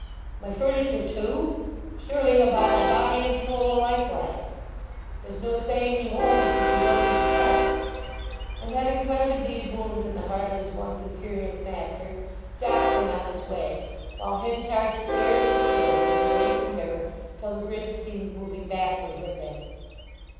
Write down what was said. "My furniture too! Surely he'll buy my body and soul likewise!" "There's no saying he won't, if you be willing to sell." And having planted these wounds in the heart of his once imperious master Jopp went on his way; while Henchard stared and stared into the racing river till the bridge seemed moving backward with him.